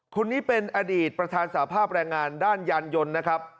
คนนี้เป็นอดีตประธานสภาพแรงงานด้านยานยนต์นะครับ